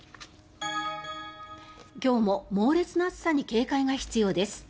今日も猛烈な暑さに警戒が必要です。